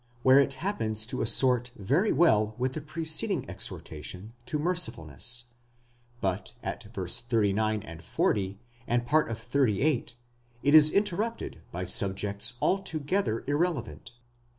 where it happens to assort very well with the preceding exhortation to mercifulness ; but at v. 39 and 4o, and part of 38, it is interrupted by subjects altogether irrelevant.